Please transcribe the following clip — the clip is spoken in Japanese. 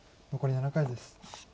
残り７回です。